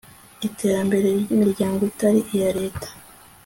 iterambere ry'imiryango itari iya leta